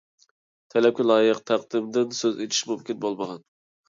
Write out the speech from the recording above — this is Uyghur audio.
تەلەپكە لايىق تەقدىمدىن سۆز ئېچىش مۇمكىن بولمىغان.